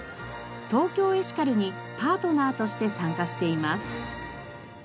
ＴＯＫＹＯエシカルにパートナーとして参加しています。